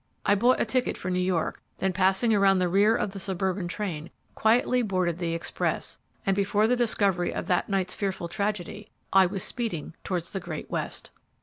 I bought a ticket for New York, then passing around the rear of the suburban train, quietly boarded the express, and before the discovery of that night's fearful tragedy I was speeding towards the great West.